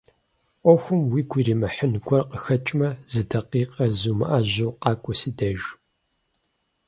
Ӏуэхум уигу иримыхьын гуэр къыхэкӏмэ, зы дакъикъэ зумыӀэжьэу къакӀуэ си деж.